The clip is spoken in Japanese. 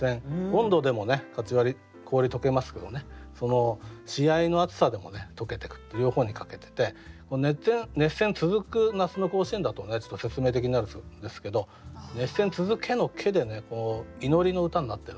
温度でもカチワリ氷溶けますけどねその試合の熱さでも溶けてくって両方にかけてて「熱戦続く夏の甲子園」だとちょっと説明的になるんですけど「熱戦続け」の「け」でね祈りの歌になってるんですよね。